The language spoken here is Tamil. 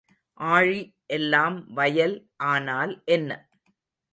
ஆழி எல்லாம் வயல் ஆனால் என்ன?